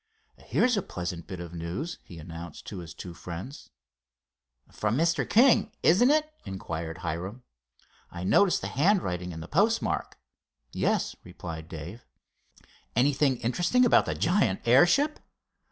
"Here's a pleasant bit of news," he announced to his two friends. "From Mr. King, isn't it?" inquired Hiram. "I noticed the handwriting and the postmark." "Yes," replied Dave. "Anything interesting about the giant airship?"